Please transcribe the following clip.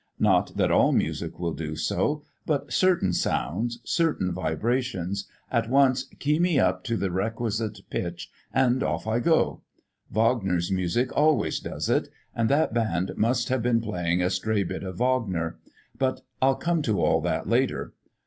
Not that all music will do so, but certain sounds, certain vibrations, at once key me up to the requisite pitch, and off I go. Wagner's music always does it, and that band must have been playing a stray bit of Wagner. But I'll come to all that later.